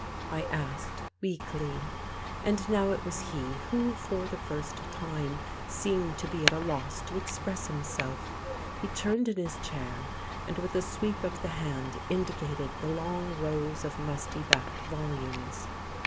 I asked weakly. And now it was he who, for the first time, seemed to be at a loss to express himself. He turned in his chair, and with a sweep of the hand indicated the long rows of musty backed volumes.